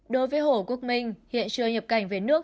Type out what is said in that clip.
đối với hồ quốc minh hiện chưa nhập cảnh về nước